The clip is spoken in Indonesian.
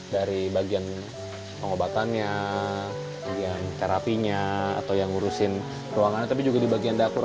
dari bagian pengobatannya terapinya atau yang ngurusin ruangannya tapi juga di bagian dapur